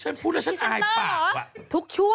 ฉันพูดแล้วฉันอายปากว่ะพรีเซนเตอร์เหรอ